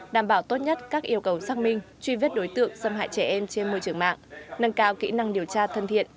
đảm bảo tốt nhất các yêu cầu xác minh truy vết đối tượng xâm hại trẻ em trên môi trường mạng nâng cao kỹ năng điều tra thân thiện